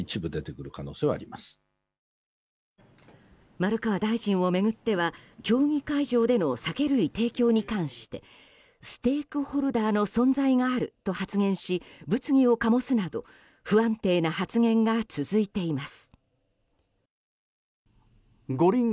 丸川大臣を巡っては競技会場での酒類提供に関してステークホルダーの存在があると発言し物議を醸すなど不安定な発言が続いています。